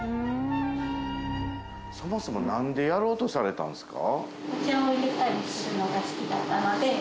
そもそも何でやろうとされたんすか？